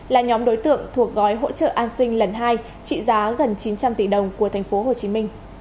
là nhóm đối tượng thuộc gói hỗ trợ an sinh lần hai trị giá gần chín trăm linh tỷ đồng của tp hcm